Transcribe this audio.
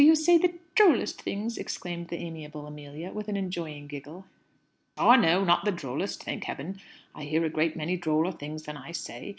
You do say the drollest things!" exclaimed the amiable Amelia, with an enjoying giggle. "Ah, no; not the drollest! Thank Heaven, I hear a great many droller things than I say!